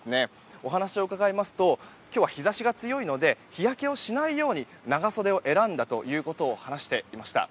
お話を伺いますと今日は日差しが強いので日焼けをしないように長袖を選んだということを話していました。